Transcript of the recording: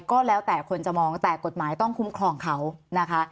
ก็แล้วแต่คนจะมองแต่กฎหมายต้องคุ้มครองเขานะคะ